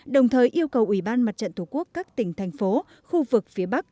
đồng thời yêu cầu ủy ban mặt trận tổ quốc các tỉnh thành phố khu vực phía bắc